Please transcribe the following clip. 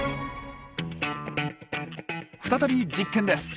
再び実験です。